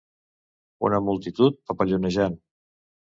Una multitud papallonejant